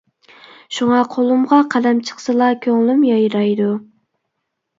شۇڭا قولۇمغا قەلەم چىقسىلا كۆڭلۈم يايرايدۇ.